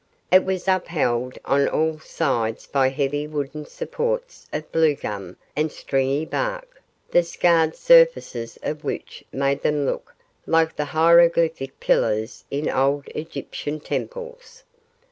It was upheld on all sides by heavy wooden supports of bluegum and stringy bark, the scarred surfaces of which made them look like the hieroglyphic pillars in old Egyptian temples.